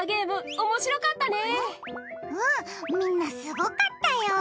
うん、みんなすごかったよ。